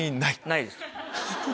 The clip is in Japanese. ないです。